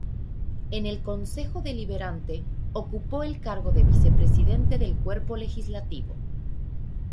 En el Concejo Deliberante ocupó el cargo de vicepresidente del cuerpo legislativo.